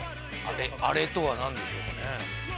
「あれ」とは何でしょうかね？